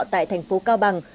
tại thành phố cao bằng